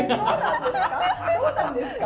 そうなんですか？